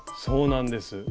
そうなんです。